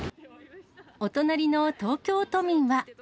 お隣の東京都民は。